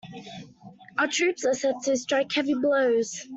Our troops are set to strike heavy blows.